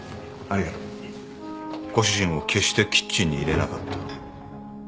ありがとうご主人を決してキッチンに入れなかった。